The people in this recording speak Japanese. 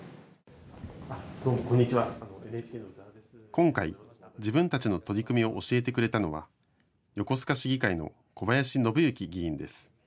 今回、自分たちの取り組みを教えてくれたのは横須賀市議会の小林伸行議員です。